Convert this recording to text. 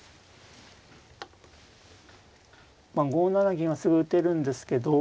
５七銀はすぐ打てるんですけど。